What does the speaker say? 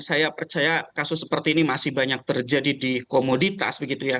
saya percaya kasus seperti ini masih banyak terjadi di komoditas begitu ya